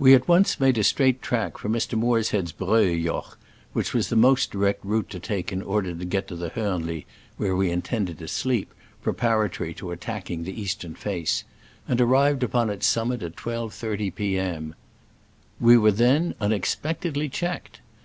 We at once made a straight track for Mr. Morshead's Breuiljoch (which was the most direct route to take in order to get to the Hornli, where we intended to sleep, preparatory to attacking the east ern face), and arrived upon its summit at 12.30 P.M. We were then unexpect edly checked.